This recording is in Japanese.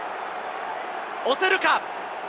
押せるか？